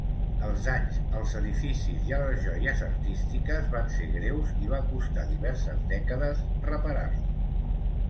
Els danys als edificis i a les joies artístiques van ser greus i va costar diverses dècades reparar-los.